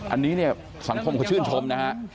อันนี้สังคมเขาชื่นชมนะครับ